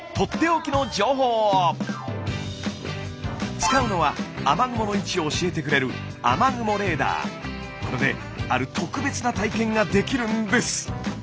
使うのは雨雲の位置を教えてくれるこれである特別な体験ができるんです！